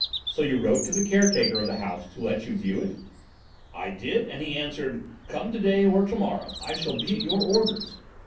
So you wrote to the caretaker of the house to let you view it?" "I did, and he answered, 'Come to day or to morrow. I shall be at your orders.'